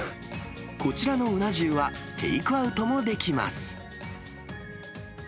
こちらのうな重は、テイクアウトもできます。